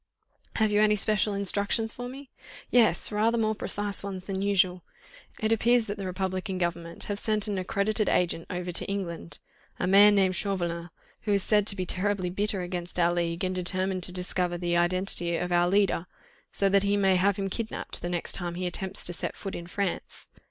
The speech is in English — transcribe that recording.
"Have you any special instructions for me?" "Yes! rather more precise ones than usual. It appears that the Republican Government have sent an accredited agent over to England, a man named Chauvelin, who is said to be terribly bitter against our league, and determined to discover the identity of our leader, so that he may have him kidnapped, the next time he attempts to set foot in France.